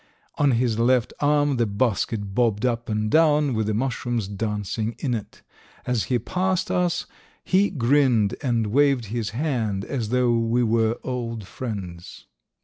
On his left arm the basket bobbed up and down with the mushrooms dancing in it. As he passed us he grinned and waved his hand, as though we were old friends.